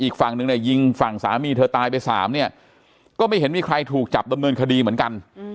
อีกฝั่งนึงเนี่ยยิงฝั่งสามีเธอตายไปสามเนี่ยก็ไม่เห็นมีใครถูกจับดำเนินคดีเหมือนกัน